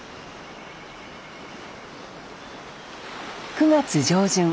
９月上旬。